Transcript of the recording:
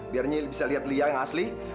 biar nyi bisa lihat lia yang asli